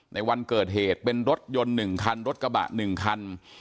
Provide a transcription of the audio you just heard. ในวันเกิดเหตุเป็นรถยนต์หนึ่งคันรถกระบะหนึ่งคัน